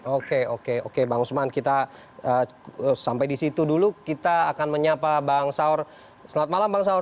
oke oke oke bang usman kita sampai di situ dulu kita akan menyapa bang saur selamat malam bang saur